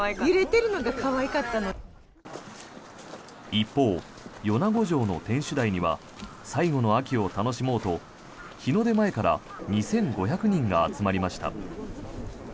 一方、米子城の天守台には最後の秋を楽しもうと日の出前から２５００人が集まりました。